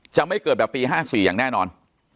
จะไม่เกิดแบบปี๕๔อย่างแน่นอน